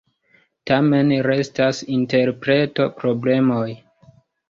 Tamen restas interpretoproblemoj.